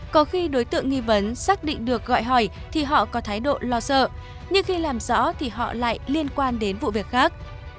có khi đối tượng nghi vấn xác định được gọi hỏi thì họ có thái độ lo sợ nhưng khi làm rõ thì họ lại liên quan đến vụ việc khác